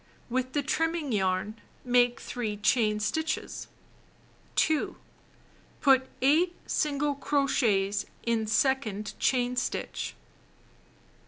With the trimming yarn, make 3 chain stitches. 2. Put 8 single crochets in second chain stitch.